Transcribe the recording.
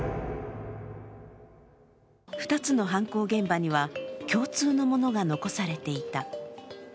２つの犯行現場には共通のものが残されていた。